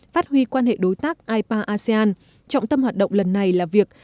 phát huy quan hệ đối tác ipa asean trọng tâm hoạt động lần này là việc